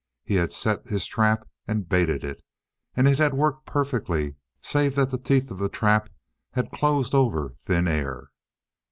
He had set his trap and baited it, and it had worked perfectly save that the teeth of the trap had closed over thin air.